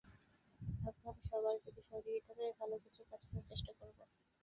এখন সবার যদি সহযোগিতা পাই, ভালো কিছু কাজ করার চেষ্টা করব।